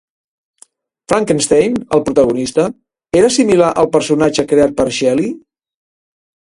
Frankenstein, el protagonista, era similar al personatge creat per Shelley?